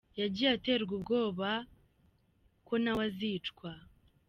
Yagiye aterwa ubwoba ko nawe azicwa.